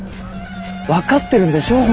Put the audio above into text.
分かってるんでしょう？